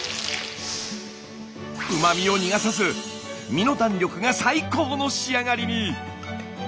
うまみを逃がさず身の弾力が最高の仕上がりに！